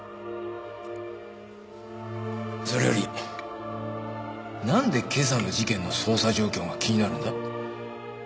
それよりなんで今朝の事件の捜査状況が気になるんだ？